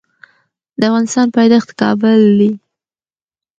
د افغانستان پایتخت کابل دي